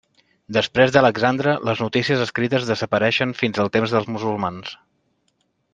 Després d'Alexandre les notícies escrites desapareixen fins al temps dels musulmans.